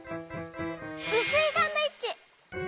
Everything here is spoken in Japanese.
うすいサンドイッチ！